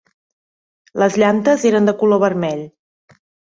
Les llantes eren de color vermell.